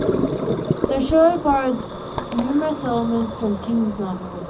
The show borrowed numerous elements from King's novel.